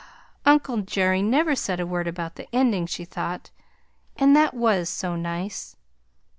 "Uncle Jerry never said a word about the ending!" she thought; "and that was so nice!"